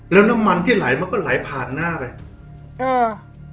แล้วน้ำมันที่ไหลมันก็ไหลผ่านหน้าไปเออ